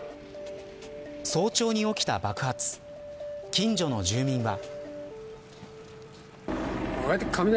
早朝に起きた爆発近所の住民は。